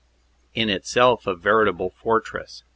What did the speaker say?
in itself a veritable fort ress.